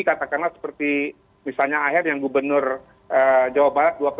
katakanlah seperti misalnya akhir yang gubernur jawa barat